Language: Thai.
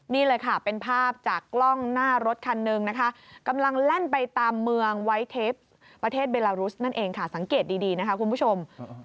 นี่เลยค่ะเป็นภาพจากกล้องหน้ารถคันหนึ่งนะคะกำลังแล่นไปตามเมืองไวทเทปประเทศเบลารุสนั่นเองค่ะสังเกตดีนะคะคุณผู้ชม